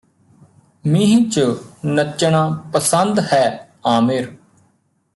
ਮੀਂਹ ਚ ਨੱਚਣਾ ਪਸੰਦ ਹੈ ਆਮਿਰ